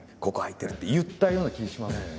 ここ空いてる」って言ったような気します。